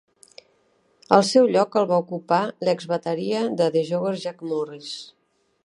El seu lloc el va ocupar l'exbateria de The Joggers Jake Morris.